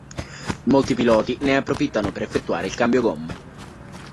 Molti piloti ne approfittano per effettuare il cambio gomme.